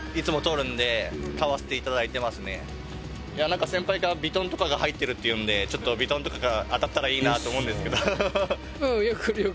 なんか先輩がヴィトンとかが入ってるって言うんでヴィトンとかが当たったらいいなと思うんですけど。